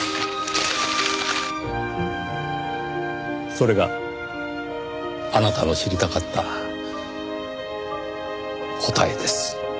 それがあなたの知りたかった答えです。